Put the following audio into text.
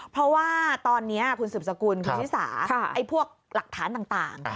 เพราะว่าตอนนี้คุณสืบสกุลคุณชิสาพวกหลักฐานต่าง